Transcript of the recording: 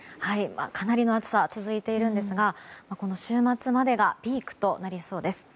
かなりの暑さ続いているんですが週末までがピークとなりそうです。